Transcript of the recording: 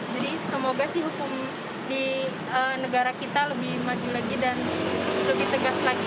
jadi semoga sih hukum di negara kita lebih mati lagi dan lebih tegas lagi